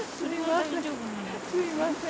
すいません